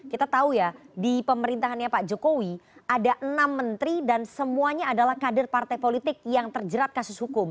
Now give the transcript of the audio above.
kita tahu ya di pemerintahannya pak jokowi ada enam menteri dan semuanya adalah kader partai politik yang terjerat kasus hukum